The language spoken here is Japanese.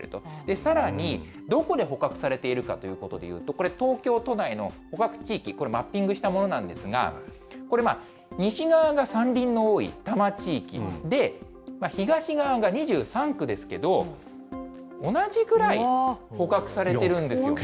さらに、どこで捕獲されているかということでいうと、これ、東京都内の捕獲地域、これ、マッピングしたものなんですが、これ、西側が山林の多い多摩地域で、東側が２３区ですけど、同じぐらい捕獲されてるんですよね。